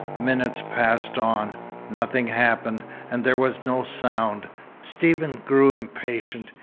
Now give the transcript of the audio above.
Minutes passed on. Nothing happened, and there was no sound. Stephen grew impatient.